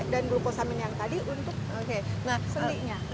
dan glukosamin yang tadi untuk sendinya